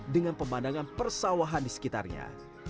dengan pemandangan persawahan di sekitarnya